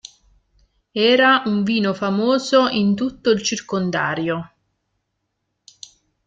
Era un vino famoso in tutto il circondario.